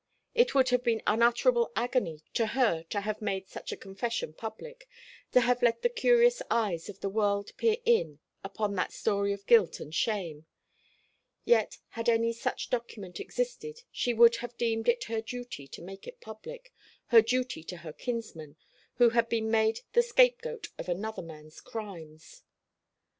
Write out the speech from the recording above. It would have been unutterable agony to her to have made such a confession public to have let the curious eyes of the world peer in upon that story of guilt and shame; yet had any such document existed, she would have deemed it her duty to make it public her duty to her kinsman, who had been made the scapegoat of another man's crimes.